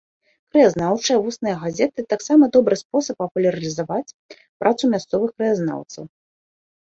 Краязнаўчая вусная газета таксама добры спосаб папулярызаваць працу мясцовых краязнаўцаў.